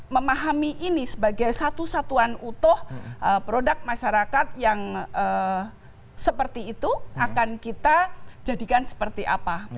memahami ini sebagai satu satuan utuh produk masyarakat yang kita gunakan untuk membuat kondisi yang lebih baik dan lebih baik untuk kita semua